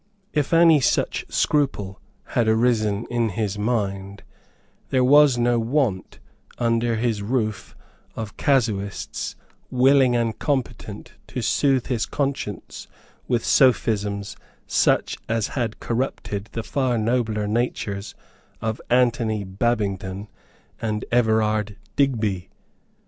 If any such scruple had arisen in his mind, there was no want, under his roof, of casuists willing and competent to soothe his conscience with sophisms such as had corrupted the far nobler natures of Anthony Babington and Everard Digby.